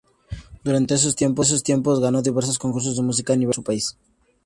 Durante esos tiempos ganó diversos concursos de música a nivel local en su país.